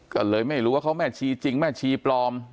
ก็เลยไม่รู้ว่าเขาแม่ชีจริงแม่ชีปลอม